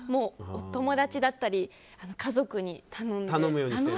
友達だったり家族に頼んで。